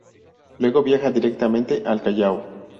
Luego viaja directamente al Callao.